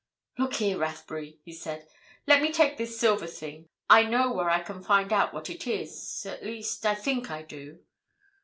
"Look here, Rathbury," he said. "Let me take this silver thing. I know where I can find out what it is. At least, I think I do."